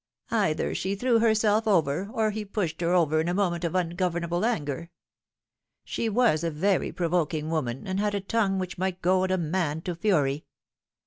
Either she threw her self over, or he pushed her over in a moment of ungovernable anger. She was a very provoking woman, and had a tongue which might goad a man to fury.